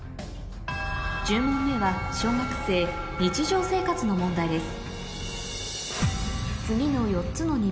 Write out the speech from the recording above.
１０問目は小学生日常生活の問題です